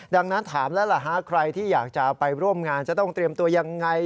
ดังนั้นถามแล้วล่ะฮะใครที่อยากจะไปร่วมงานจะต้องเตรียมตัวยังไง